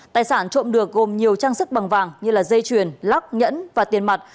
tài sản trộm được gồm nhiều trang sức bằng vàng như dây chuyền lắc nhẫn và tiền mặt